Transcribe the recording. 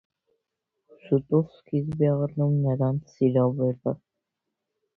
Շուտով սկիզբ է առնում նրանց սիրավեպը։